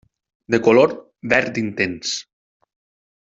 De color verd intens.